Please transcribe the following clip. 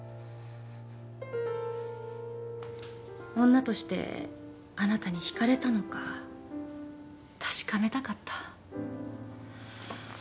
女としてあなたに引かれたのか確かめたかった。